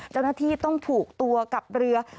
เจ้าหน้าที่ต้องผูกตัวกับเรือ